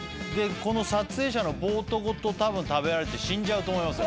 撮影者のボートごとたぶん食べられて死んじゃうと思いますよ。